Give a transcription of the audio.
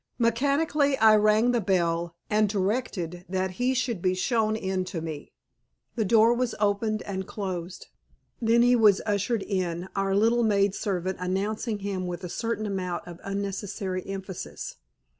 Mechanically I rang the bell and directed that he should be shown in to me. The door was opened and closed. Then he was ushered in, our little maid servant announcing him with a certain amount of unnecessary emphasis.